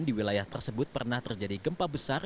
di wilayah tersebut pernah terjadi gempa besar